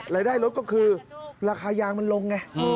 รายได้ลดก็คือราคายางมันลงไง